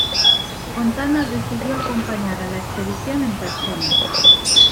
Fontana decidió acompañar a la expedición en persona.